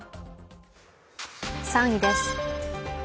３位です。